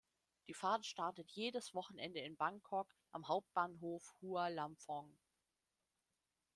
Die Fahrt startet jedes Wochenende in Bangkok am Hauptbahnhof Hua Lamphong.